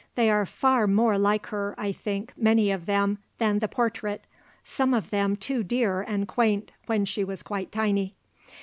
They are far more like her, I think, many of them, than the portrait. Some of them too dear and quaint when she was quite tiny."